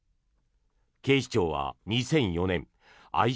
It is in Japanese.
警視庁は２００４年